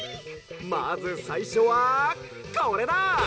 「まずさいしょはこれだ！